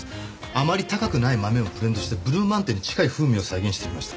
あまり高くない豆をブレンドしてブルーマウンテンに近い風味を再現してみました。